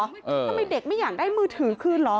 ทำไมเด็กไม่อยากได้มือถือคืนเหรอ